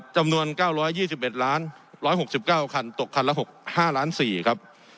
จำนวนเก้าร้อยยี่สิบเป็นล้านร้อยหกสิบเก้าคันตกคันละหกห้าล้านสี่ครับ